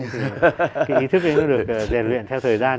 để rèn luyện theo thời gian